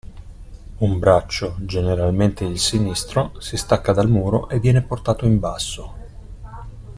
Un braccio, generalmente il sinistro, si stacca dal muro e viene portato in basso.